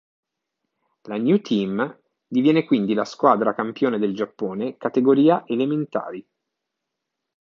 La New Team diviene quindi la squadra campione del Giappone categoria elementari.